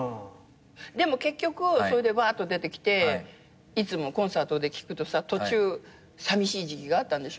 でも結局それでわーっと出てきていつもコンサートで聞くと途中さみしい時期があったんでしょ。